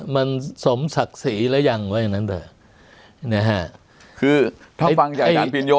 มันสมศักดิ์สีแล้วยังไว้นั้นเถอะนะฮะคือถ้าฟังอย่าง